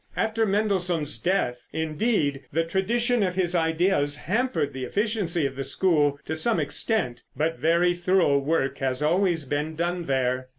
After Mendelssohn's death, indeed, the tradition of his ideas hampered the efficiency of the school to some extent, but very thorough work has always been done there.